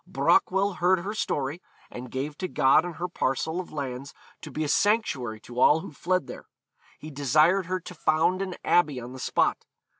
Brochwel heard her story, and gave to God and her a parcel of lands to be a sanctuary to all who fled there. He desired her to found an abbey on the spot.